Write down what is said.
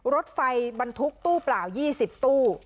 รถไฟบรรทุกตู้เปล่า๒๐ตู้